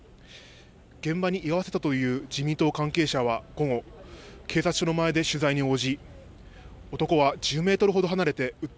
現場に居合わせたという自民党関係者は午後、警察署の前で取材に応じ男は１０メートルほど離れて撃っ